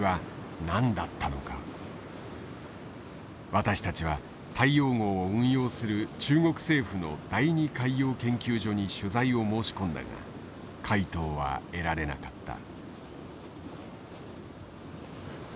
私たちは大洋号を運用する中国政府の第二海洋研究所に取材を申し込んだが回答は得られなかった。